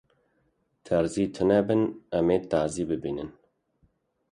Terzî tune bin, em ê tazî bimînin.